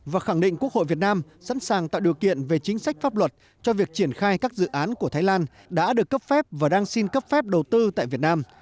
và khẳng định quốc hội việt nam sẵn sàng tạo điều kiện về chính sách pháp luật cho việc triển khai các dự án của thái lan đã được cấp phép và đang xin cấp phép đầu tư tại việt nam